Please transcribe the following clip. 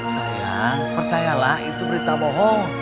saya percayalah itu berita bohong